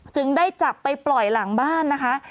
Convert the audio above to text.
จึงได้จับไปปล่อยหลังบ้านนะคะ